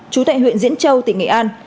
chú tại huyện diễn châu tỉnh nghệ an